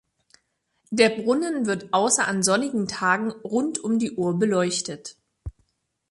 Der Brunnen wird außer an sonnigen Tagen rund um die Uhr beleuchtet.